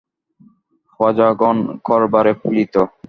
প্রজাগণ করভারে পীড়িত।